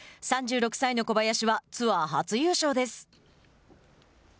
３６歳の小林はツアー初優勝です。